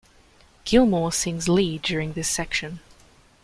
Gilmour sings lead during this section.